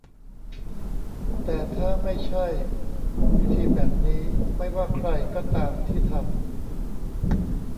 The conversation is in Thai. แต่ถ้าไม่ใช่ วิธีแบบนี้ ไม่ว่าใครก็ตามที่ทำ